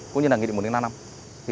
cũng như là nghị định một năm năm